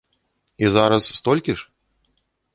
І зараз столькі ж?